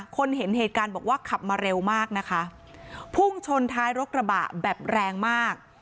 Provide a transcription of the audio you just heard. คนเห็นเหตุการณ์บอกว่าขับมาเร็วมากนะคะพุ่งชนท้ายรถกระบะแบบแรงมาก